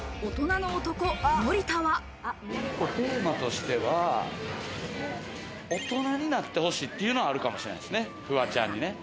１個テーマとしては、大人になってほしいっていうのはあるかもしれないですね、フワちゃんにね。